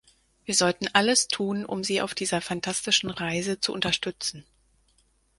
Wir sollten alles tun, um sie auf dieser fantastischen Reise zu unterstützen.